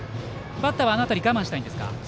バッターはあの辺り、我慢したいですか。